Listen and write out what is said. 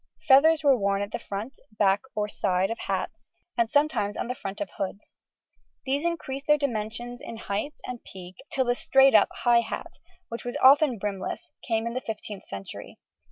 Feathers were worn at the front, back, or side of hats, and sometimes on the front of the hoods; these increased their dimensions in height and peak, till the straight up high hat, which was often brimless, came in the 15th century.